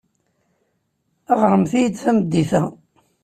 Ɣremt-iyi-d tameddit-a.